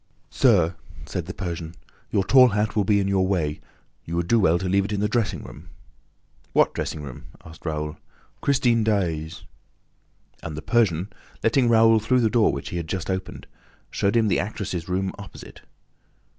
"Sir," said the Persian, "your tall hat will be in your way: you would do well to leave it in the dressing room." "What dressing room?" asked Raoul. "Christine Daae's." And the Persian, letting Raoul through the door which he had just opened, showed him the actress' room opposite.